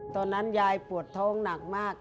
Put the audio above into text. ตอนนั้นยายปวดท้องหนักมาก